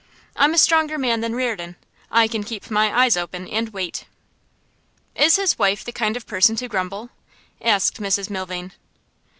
I'm a stronger man than Reardon; I can keep my eyes open, and wait.' 'Is his wife the kind of person to grumble?' asked Mrs Milvain.